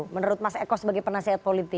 menurut mas eko sebagai penasehat politik